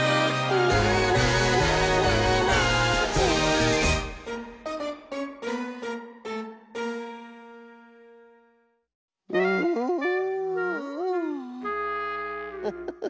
「ねぇねぇねぇねぇノージー！」んウフフフフフフ。